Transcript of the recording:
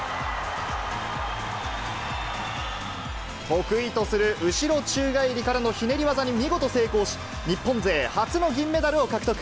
得意とする後宙返りからのひねり技に見事成功し、日本勢初の銀メダルを獲得。